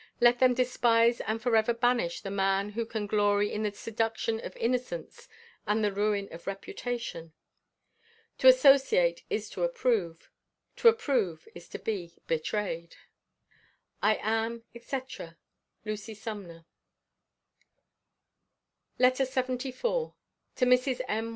Let them despise and forever banish the man who can glory in the seduction of innocence and the ruin of reputation. To associate is to approve; to approve is to be betrayed. I am, &c., LUCY SUMNER. LETTER LXXIV. TO MRS. M.